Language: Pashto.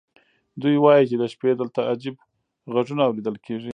دوی وایي چې د شپې دلته عجیب غږونه اورېدل کېږي.